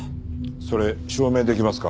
それ証明できますか？